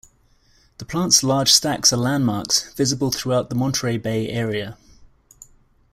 The plant's large stacks are landmarks, visible throughout the Monterey Bay Area.